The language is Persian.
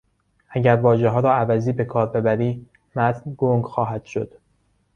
اگر واژهها را عوضی بکار ببری متن گنگ خواهد شد.